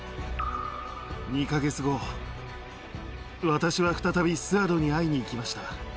私は再びスアドに会いに行きました。